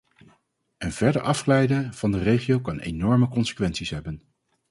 Een verder afglijden van de regio kan enorme consequenties hebben.